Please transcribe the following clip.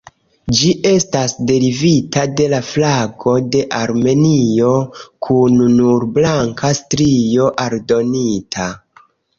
Ĝi estas derivita de la flago de Armenio, kun nur blanka strio aldonita.